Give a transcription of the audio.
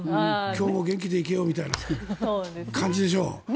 今日も元気で行けよみたいな感じでしょう。